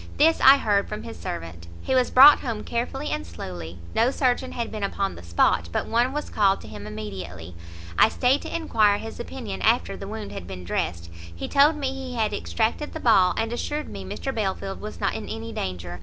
This I heard from his servant. He was brought home carefully and slowly; no surgeon had been upon the spot, but one was called to him immediately. I stayed to enquire his opinion after the wound had been dressed: he told me he had extracted the ball, and assured me Mr Belfield was not in any danger.